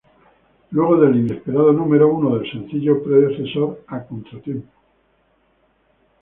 Luego del inesperado número uno del sencillo predecesor, A contratiempo.